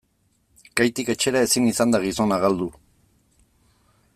Kaitik etxera ezin izan da gizona galdu.